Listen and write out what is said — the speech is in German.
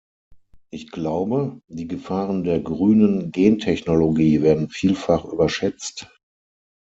Ich glaube, die Gefahren der grünen Gentechnologie werden vielfach überschätzt.